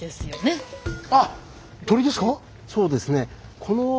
そうですね。